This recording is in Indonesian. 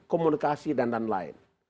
komunikasi dan lain lain